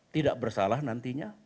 tidak bersalah nantinya